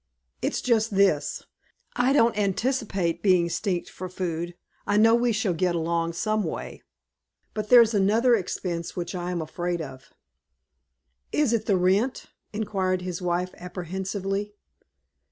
"It's just this, I don't anticipate being stinted for food. I know we shall get along some way; but there's another expense which I am afraid of." "Is it the rent?" inquired his wife, apprehensively.